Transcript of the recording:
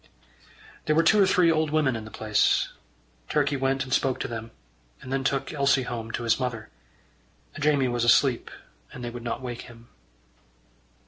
There were two or three old women in the place. Turkey went and spoke to them, and then took Elsie home to his mother. Jamie was asleep, and they would not wake him.